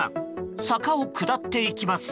坂を下っていきます。